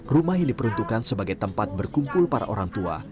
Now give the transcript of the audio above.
rumah yang diperuntukkan sebagai tempat berkumpul para orang tua